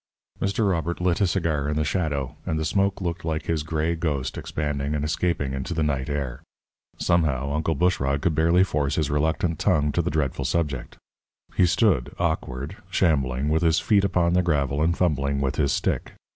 Mr. Robert lit a cigar in the shadow, and the smoke looked like his gray ghost expanding and escaping into the night air. Somehow, Uncle Bushrod could barely force his reluctant tongue to the dreadful subject. He stood, awkward, shambling, with his feet upon the gravel and fumbling with his stick.